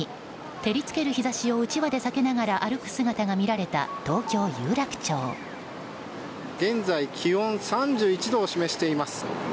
照りつける日差しをうちわで避けながら歩く姿が見られた現在気温３１度を示しています。